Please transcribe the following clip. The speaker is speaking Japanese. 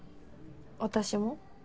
私も？